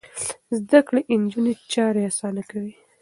زده کړې نجونې چارې اسانه کوي.